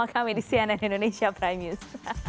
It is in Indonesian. anda kembali bersama kami di cnn indonesia prime news